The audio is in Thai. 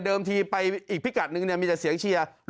เดิมทีไปอีกพิกัดนึงมีแต่เสียงเชียร์